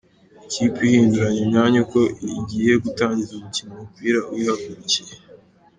Ikipe ihinduranya imyanya uko igiye gutangiza umukino umupira uyigarukiye.